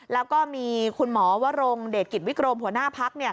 แล้วก็มีคุณหมอวรงเดชกิจวิกรมหัวหน้าพัก